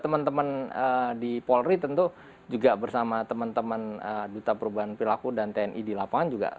teman teman di polri tentu juga bersama teman teman duta perubahan perilaku dan tni di lapangan juga